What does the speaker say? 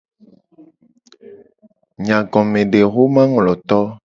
Nyagomedexomangloto.